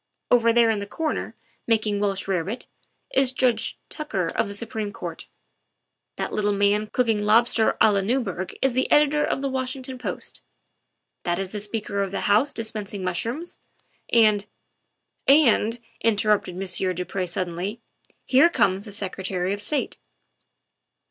Over there in the corner, making Welsh rarebit, is Judge Tucker of the Supreme Court ; that little man cooking lobster a la Newberg is the editor of the Washington Post; that is the Speaker of the House dispensing mushrooms, and ''And," interrupted Monsieur du Pre suddenly, " here comes the Secretary of State."